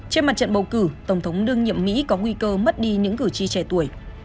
trên mặt trận bầu cử tổng thống đương nhiệm mỹ có nguy cơ mất đi những cử tri trẻ tuổi